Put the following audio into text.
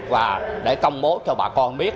và để công bố cho bà con biết